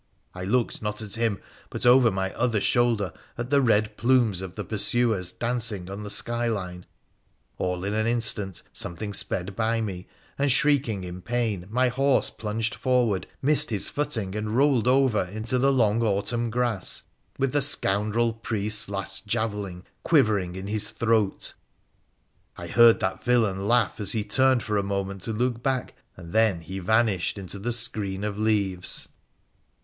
I looked not at him, but over my other shoulder at the red plumes of the pursuers dancing on the sky line. All in an instant something sped by me, and, shrieking in pain, my horse plunged forward, missed his footing, and rolled over into the long autumn grass with the scoundrel priest's last javelin quivering in his throat. I heard that villain laugh as he turned for a moment to look back, and then he vanished into the screen of leaves.